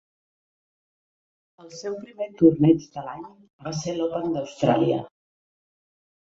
El seu primer torneig de l'any va ser l'Open d'Austràlia.